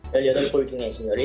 saya lihat dari ujungnya sendiri